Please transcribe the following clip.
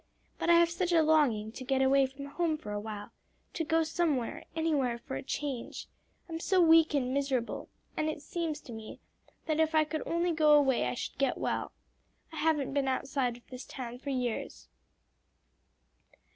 But I have such a longing to get away from home for a while to go somewhere, anywhere, for a change. I'm so weak and miserable, and it seems to me that if I could only go away I should get well. I haven't been outside of this town for years.'"